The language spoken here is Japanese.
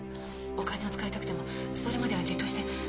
お金を使いたくてもそれまではじっとして。